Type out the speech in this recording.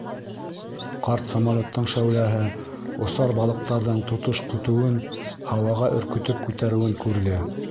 Ҡарт самолеттың шәүләһе осар балыҡтарҙың тотош көтөүен һауаға өркөтөп күтәреүен күрҙе.